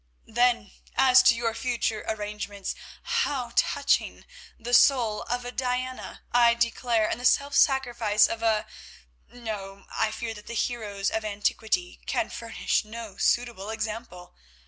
Then, as to your future arrangements, how touching! The soul of a Diana, I declare, and the self sacrifice of a—no, I fear that the heroes of antiquity can furnish no suitable example.